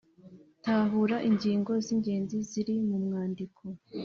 tahura ingingo z’ingenzi ziri mu mwandiko